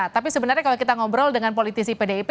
tapi sebenarnya kalau kita ngobrol dengan politisi pdip